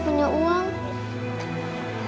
seenggak saja akhirnya dia tersenyum